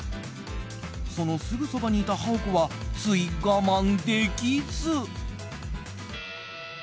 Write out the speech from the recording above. その、すぐそばにいたハオコはつい我慢できず。